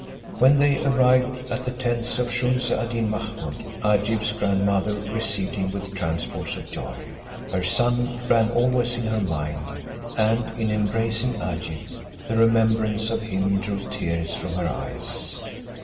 When they arrived at the tents of Shumse ad Deen Mahummud, Agib's grandmother received him with transports of joy: her son ran always in her mind, and in embracing Agib, the remembrance of him drew tears from her eyes.